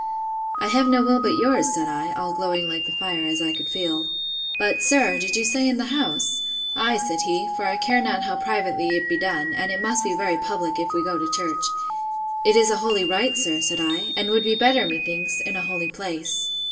I have no will but yours, said I (all glowing like the fire, as I could feel:) But, sir, did you say in the house? Ay, said he; for I care not how privately it be done; and it must be very public if we go to church. It is a holy rite, sir, said I; and would be better, methinks, in a holy place.